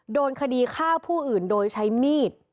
โดนคดีฆ่าผู้อื่นโดยใช้มีด